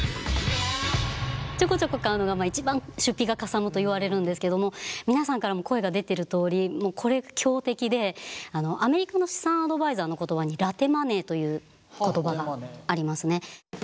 ちょこちょこ買うのが一番出費がかさむといわれるんですけども皆さんからも声が出てるとおりこれが強敵でアメリカの資産アドバイザーの言葉にラテマネーという言葉がありますね。